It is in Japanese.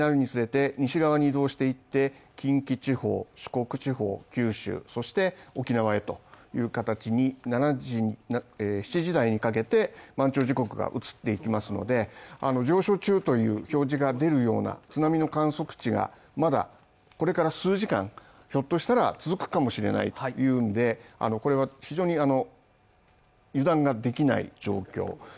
それから６時台になるにつれて、西側に移動していって、近畿地方、四国地方九州、そして沖縄へという形に７時台にかけて満潮時刻が移っていきますので、あの上昇中という表示が出るような津波の観測値がまだこれから数時間、ひょっとしたら続くかもしれないというんでこれは非常に油断ができない状況。